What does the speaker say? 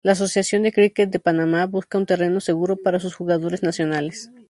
La Asociación de Cricket de Panamá busca un terreno seguro para sus jugadores nacionales.